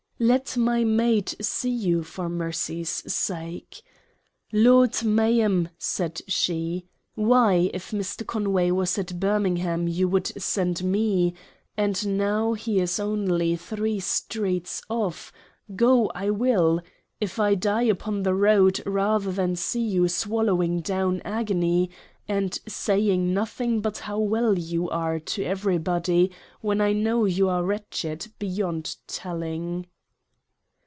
Let my Maid see you, for Mercy's Sake. ' Lord, Ma'am,' said She, e why, if Mr. Conway was at Birmingham you would send me; and now he is only Three Streets off, — Go I will if I die upon the Road, rather than see you swallowing down Agony, and saying nothing but how well you are, to everybody, when I know you are wretched, — beyond telling.'